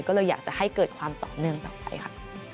ก็เลยอยากจะให้เกิดความต่อเนื่องต่อไปค่ะ